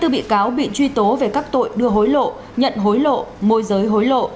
hai mươi bị cáo bị truy tố về các tội đưa hối lộ nhận hối lộ môi giới hối lộ